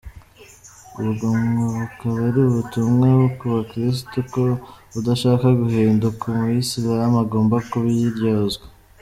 Ubwo ngo bukaba ari ubutumwa ku bakirisitu ko udashaka guhinduka Umuyisilamu agomba kubiryozwa.